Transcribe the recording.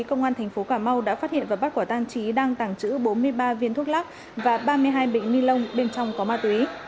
công an thành phố cà mau đã phát hiện và bắt quả tang trí đang tàng trữ bốn mươi ba viên thuốc lắc và ba mươi hai bịnh ni lông bên trong có ma túy